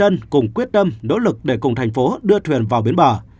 nỗ lực để cùng tp hcm đưa thuyền vào bến bờ